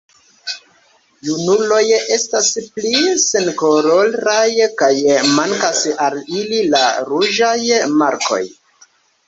Junuloj estas pli senkoloraj kaj mankas al ili la ruĝaj markoj.